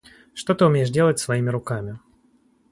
Что ты умеешь делать своими руками?